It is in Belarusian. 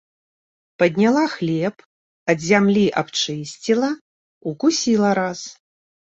Падняла хлеб, ад зямлі абчысціла, укусіла раз.